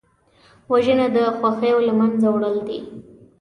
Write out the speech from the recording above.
وژنه د خوښیو له منځه وړل دي